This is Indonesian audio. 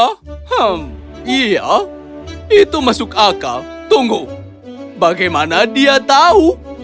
hmm iya itu masuk akal tunggu bagaimana dia tahu